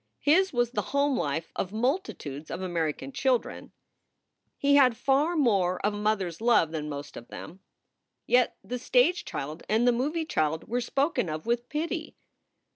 His was the home life of multitudes of American children. He ha.d far SOULS FOR SALE 181 more of mother s love than most of them. Yet the stage child and the movie child were spoken of with pity